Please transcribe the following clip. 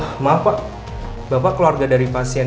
ah maaf pak bapak keluarga dari pasien